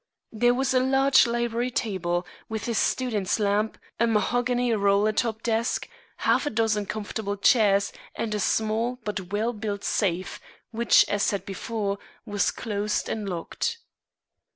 There was a large library table, with a student's lamp, a mahogany roller top desk, half a dozen comfortable chairs, and a small, but well built safe, which, as said before, was closed and locked.